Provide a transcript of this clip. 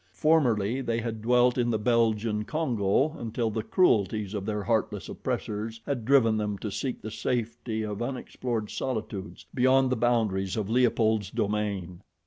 Formerly they had dwelt in the Belgian Congo until the cruelties of their heartless oppressors had driven them to seek the safety of unexplored solitudes beyond the boundaries of Leopold's domain.